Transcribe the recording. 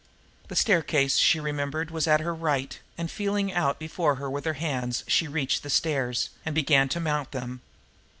The staircase, she remembered, was at her right; and feeling out before her with her hands, she reached the stairs, and began to mount them.